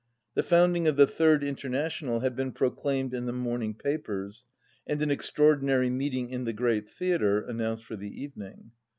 The founding of the Third International had been proclaimed in the morning papers, and an extraordinary meeting in the Great Theatre announced for the evening.